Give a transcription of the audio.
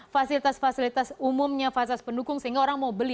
fasilitas fasilitas umumnya fasilitas pendukung sehingga orang mau beli